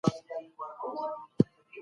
کله لاریونونه په تاوتریخوالي بدلیږي؟